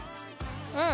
うん。